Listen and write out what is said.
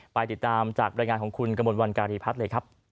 ไปติดตามจากบรรยายงานของคุณกระมวลวันการีพัฒน์เลยครับ